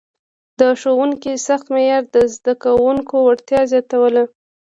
د ښوونکي سخت معیار د زده کوونکو وړتیا زیاتوله.